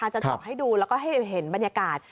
จะเจาะให้ดูแล้วก็ให้เห็นบรรยากาศ